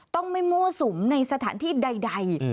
ต้องไม่มั่วสุมในสถานที่ใด